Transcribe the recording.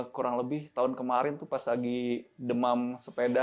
kurang lebih tahun kemarin tuh pas lagi demam sepeda